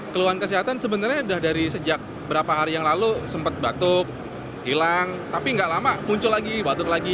keluhan kesehatan sebenarnya sudah dari sejak berapa hari yang lalu sempat batuk hilang tapi nggak lama muncul lagi batuk lagi